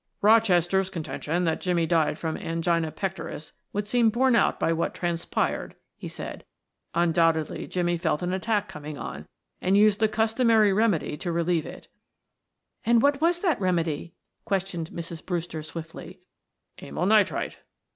"Rochester's contention that Jimmie died from angina pectoris would seem borne out by what transpired," he said. "Undoubtedly Jimmie felt an attack coming on and used the customary remedy to relieve it " "And what was that remedy?" questioned Mrs. Brewster swiftly. "Amyl nitrite."